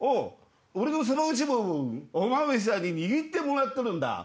「俺のそば打ち棒おまめさんに握ってもらっとるんだ」。